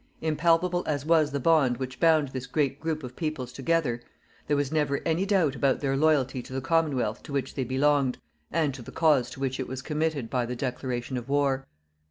Impalpable as was the bond which bound this great group of peoples together, there was never any doubt about their loyalty to the Commonwealth to which they belonged and to the cause to which it was committed by the declaration of war.